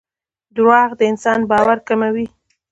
دراوغ دانسان باور کموي